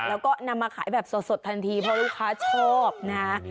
แล้วก็นำมาขายแบบสดทันทีเพราะลูกค้าชอบนะฮะ